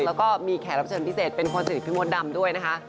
แล้วก็มีแขกรับเชิญพิเศษเป็นคนสนิทพี่มดดำด้วยนะคะ